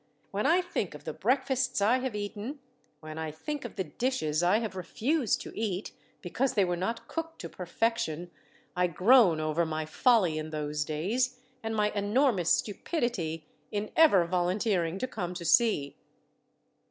When I think of the breakfasts I have eaten, when I think of the dishes I have refused to eat, because they were not cooked to perfection, I groan over my folly in those days, and my enormous stupidity in ever volunteering to come to sea."